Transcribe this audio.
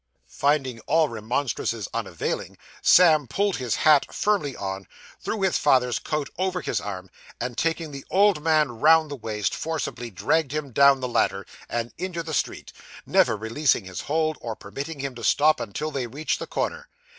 Finding all remonstrances unavailing, Sam pulled his hat firmly on, threw his father's coat over his arm, and taking the old man round the waist, forcibly dragged him down the ladder, and into the street; never releasing his hold, or permitting him to stop, until they reached the corner.